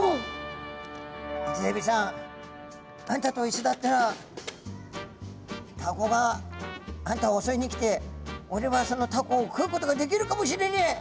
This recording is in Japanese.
「イセエビさんあんたといっしょだったらタコがあんたをおそいに来ておれはそのタコを食うことができるかもしれねえ。